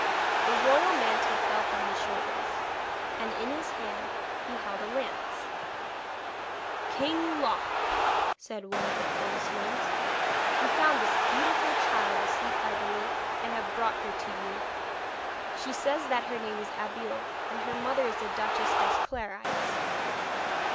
A royal mantle fell from his shoulders, and in his hand he held a lance. 'King Loc,' said one of the forest gnomes, 'we found this beautiful child asleep by the lake, and have brought her to you. She says that her name is Abeille, and her mother is the Duchess des Clarides.'